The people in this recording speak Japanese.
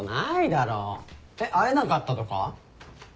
会えなかったとか？